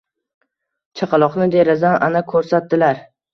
Chaqaloqni derazadan ana ko‘rsatdilar.